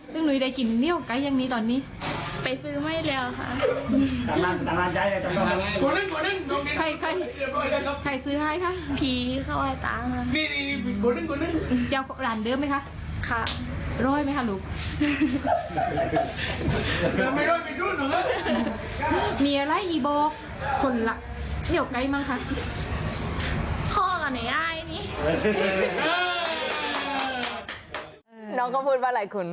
น้องเขาพูดอะไรคุณ